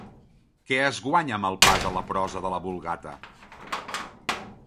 Què es guanya amb el pas a la prosa de la Vulgata?